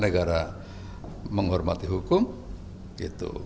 negara menghormati hukum gitu